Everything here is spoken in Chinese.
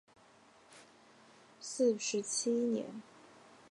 四十七年。